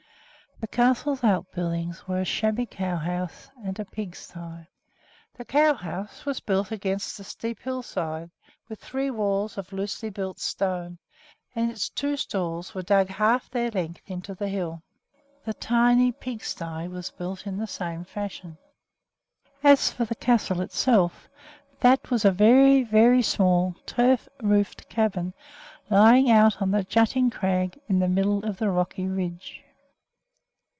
The castle's outbuildings were a shabby cow house and a pigsty. The cow house was built against the steep hillside, with three walls of loosely built stone, and its two stalls were dug half their length into the hill. The tiny pigsty was built in the same fashion. It is customary in Norway for each farm, however small, to have a name. As for the castle itself, that was a very, very small, turf roofed cabin lying out on the jutting crag in the middle of the rocky ridge.